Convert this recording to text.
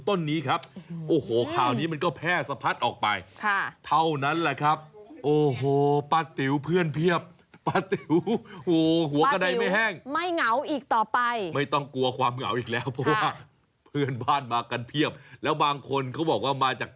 ทำให้ใครเดี๋ยวรอดอันนี้มันก็เป็นเรื่องของความเชื่อ